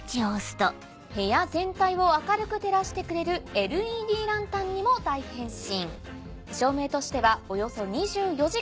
部屋全体を明るく照らしてくれるＬＥＤランタンにも大変身。